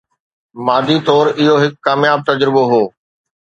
مادي طور اهو هڪ ڪامياب تجربو هو